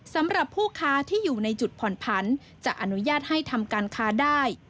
สำหรับผู้ค้าที่อยู่ในจุดผ่อนผันจะอนุญาตให้ทำการค้าได้